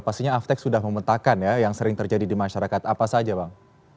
pastinya aftek sudah memetakan ya yang sering terjadi di masyarakat apa saja bang